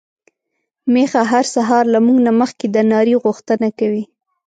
ميښه هر سهار له موږ نه مخکې د ناري غوښتنه کوي.